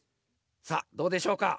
さあどうでしょうか？